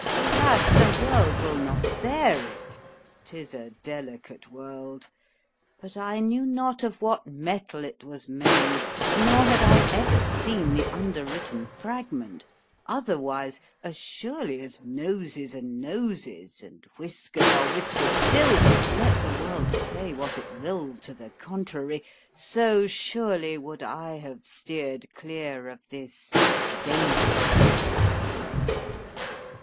alas! the world will not bear it—'tis a delicate world——but I knew not of what mettle it was made—nor had I ever seen the under written fragment; otherwise, as surely as noses are noses, and whiskers are whiskers still (let the world say what it will to the contrary); so surely would I have steered clear of this dangerous chapter.